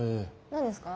何ですか？